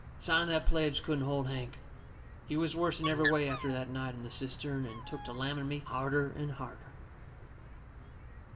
Signing the pledge couldn't hold Hank. He was worse in every way after that night in the cistern, and took to lamming me harder and harder.